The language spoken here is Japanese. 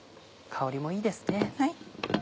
香りもいいですね。